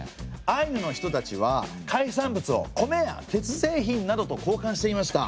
アイヌの人たちは海産物を米や鉄製品などと交換していました。